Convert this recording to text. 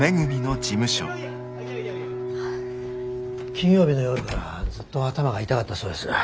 金曜日の夜からずっと頭が痛かったそうです。